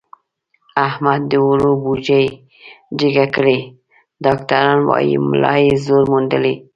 احمد د اوړو بوجۍ جګه کړې، ډاکټران وایي ملا یې زور موندلی.